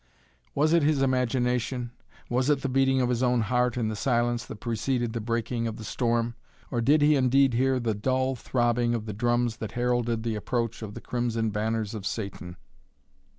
Was it his imagination, was it the beating of his own heart in the silence that preceded the breaking of the storm; or did he indeed hear the dull throbbing of the drums that heralded the approach of the crimson banners of Satan?